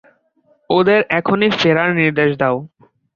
ওদের এখনই ফেরার নির্দেশ দাও।